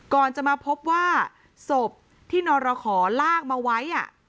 ก่อนจะมาพบว่าศพที่นรขอลากมาไว้